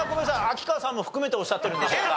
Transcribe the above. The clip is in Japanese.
秋川さんも含めておっしゃってるんでしょうか？